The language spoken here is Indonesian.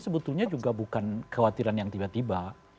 sebetulnya juga bukan kekhawatiran yang tiba tiba